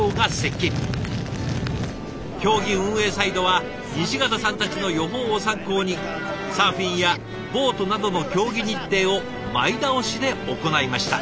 競技運営サイドは西潟さんたちの予報を参考にサーフィンやボートなどの競技日程を前倒しで行いました。